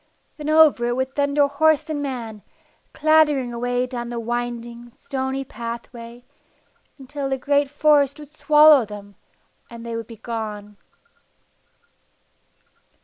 Then over it would thunder horse and man, clattering away down the winding, stony pathway, until the great forest would swallow them, and they would be gone.